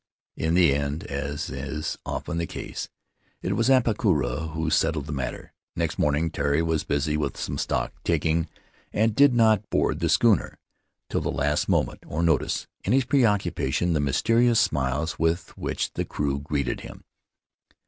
In the end, as is often the case, it was Apakura who settled the matter. Next morning Tari was busy with some stock taking and did not board the schooner till the last moment, or notice — in his preoccupation — the mysterious smiles with which the crew greeted him.